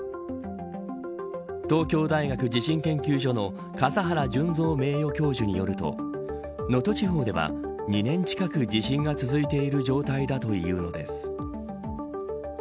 東京大学地震研究所の笠原順三名誉教授によると能登地方では、２年近く地震が続いている状態だというのです。